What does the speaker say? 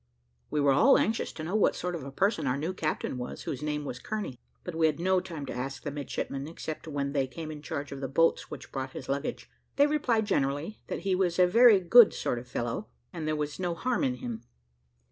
We were all anxious to know what sort of a person our new captain was whose name was Kearney; but we had no time to ask the midshipmen except when they came in charge of the boats which brought his luggage: they replied generally, that he was a very good sort of fellow, and there was no harm in him.